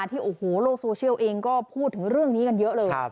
ที่โอ้โหโลกโซเชียลเองก็พูดถึงเรื่องนี้กันเยอะเลย